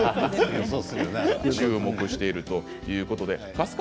注目しているということで。